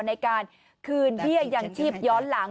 ในการคืนเบี้ยยังชีพย้อนหลัง